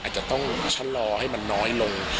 อาจจะต้องชะลอให้มันน้อยลง